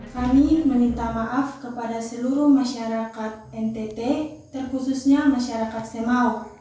kami meminta maaf kepada seluruh masyarakat ntt terkhususnya masyarakat semau